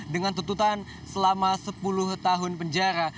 dengan tuntutan selama sepuluh tahun penjara